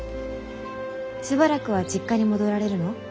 しばらくは実家に戻られるの？